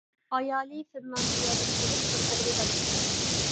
ئايالى فىنلاندىيەلىك بولۇپ بىر ئوغلى بار ئىكەن.